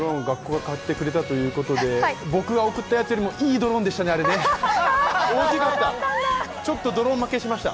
学校が買ってくれたということで、僕が送ったやつよりもいいやつでしたね、大きかった。